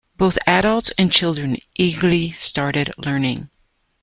Both adults and children eagerly started learning.